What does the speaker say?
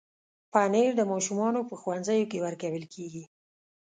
پنېر د ماشومانو په ښوونځیو کې ورکول کېږي.